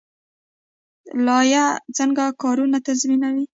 لایحه څنګه کارونه تنظیموي؟